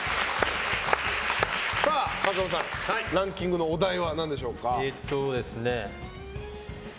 風間さん、ランキングのお題は何でしょうか。